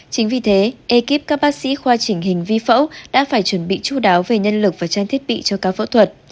chính vì thế ekip các bác sĩ khoa chỉnh hình vi phẫu đã phải chuẩn bị chú đáo về nhân lực và trang thiết bị cho ca phẫu thuật